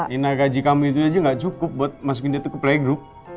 nina gaji kamu itu aja gak cukup buat masukin dia ke playgroup